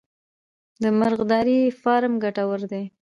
د مرغدارۍ فارم ګټور دی؟